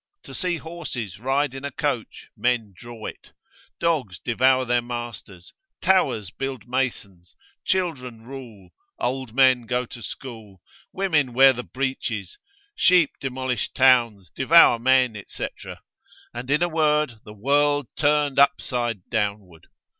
To see horses ride in a coach, men draw it; dogs devour their masters; towers build masons; children rule; old men go to school; women wear the breeches; sheep demolish towns, devour men, &c. And in a word, the world turned upside downward.